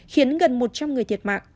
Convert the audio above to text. khiến gần một trăm linh người thiệt mạng